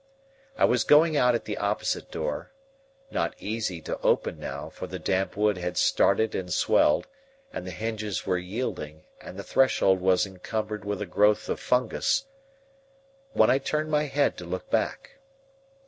I was going out at the opposite door,—not easy to open now, for the damp wood had started and swelled, and the hinges were yielding, and the threshold was encumbered with a growth of fungus,—when I turned my head to look back.